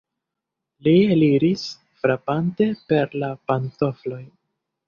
Li eliris, frapante per la pantofloj.